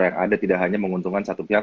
yang ada tidak hanya menguntungkan satu pihak